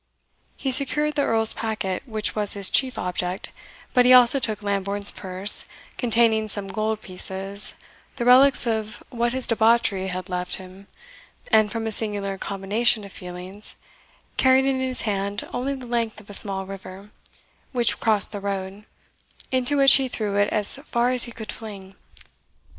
He secured the Earl's packet, which was his chief object; but he also took Lambourne's purse, containing some gold pieces, the relics of what his debauchery had left him, and from a singular combination of feelings, carried it in his hand only the length of a small river, which crossed the road, into which he threw it as far as he could fling.